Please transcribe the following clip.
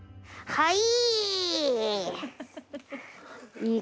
はい。